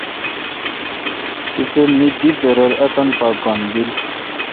تپہ می دی برر اتاں پا گھن بیل۔